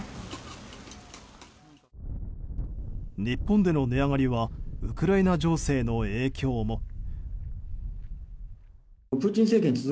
日本での値上がりはウクライナ情勢の影響も。